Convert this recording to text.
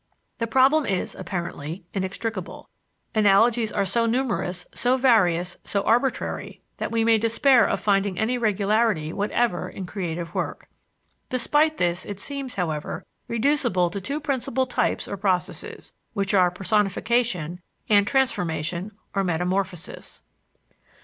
The problem is, apparently, inextricable. Analogies are so numerous, so various, so arbitrary, that we may despair of finding any regularity whatever in creative work. Despite this it seems, however, reducible to two principal types or processes, which are personification, and transformation or metamorphosis.